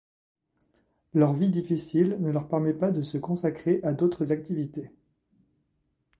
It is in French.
Leur vie difficile ne leur permet pas de se consacrer à d'autres activités.